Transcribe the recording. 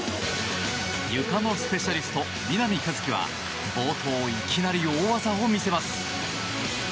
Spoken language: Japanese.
ゆかのスペシャリスト、南一輝は冒頭、いきなり大技を見せます。